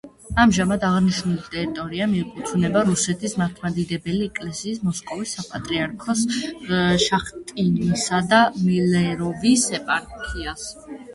ამჟამად აღნიშნული ტერიტორია მიეკუთვნება რუსეთის მართლმადიდებელი ეკლესიის მოსკოვის საპატრიარქოს შახტინისა და მილეროვის ეპარქიას.